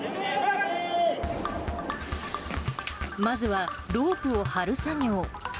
まずは、ロープを張る作業。